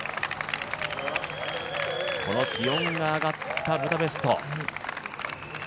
この気温が上がったブダペスト。